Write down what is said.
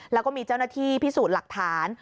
แล้วก็มีเจ้าหน้าที่พิสูจน์หลักฐาน